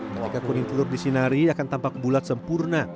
ketika kuning telur disinari akan tampak bulat sempurna